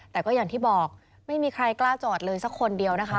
แต่ก็อย่างที่บอกไม่มีใครกล้าจอดเลยสักคนเดียวนะคะ